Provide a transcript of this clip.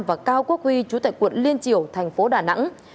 và cao quốc huy chú tại quận liên triều tp đà nẵng